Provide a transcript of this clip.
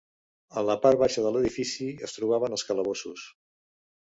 En la part baixa de l'edifici es trobaven els calabossos.